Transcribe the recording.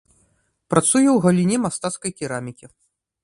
Працуе ў галіне мастацкай керамікі.